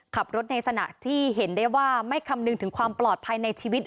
ขับรถในขณะที่เห็นได้ว่าไม่คำนึงถึงความปลอดภัยในชีวิต